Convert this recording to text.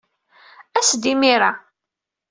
As-d imir-a.